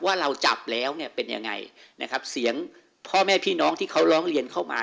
ว่าเราจับแล้วเนี่ยเป็นยังไงนะครับเสียงพ่อแม่พี่น้องที่เขาร้องเรียนเข้ามา